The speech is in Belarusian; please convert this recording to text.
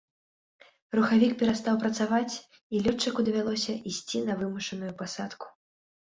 Рухавік перастаў працаваць і лётчыку давялося ісці на вымушаную пасадку.